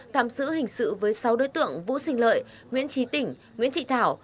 tạm xử hình sự với sáu đối tượng vũ sình lợi nguyễn trí tỉnh nguyễn thị thảo